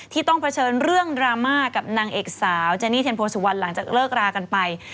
ต้องเผชิญเรื่องดราม่ากับนางเอกสาวเจนี่เทียนโพสุวรรณหลังจากเลิกรากันไป